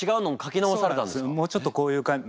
もうちょっとこういう感じ